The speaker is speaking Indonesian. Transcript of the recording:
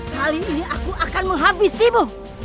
kali ini aku akan menghabisimu